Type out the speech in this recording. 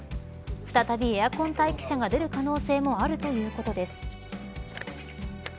再び、エアコン待機者が出る可能性もあるということです。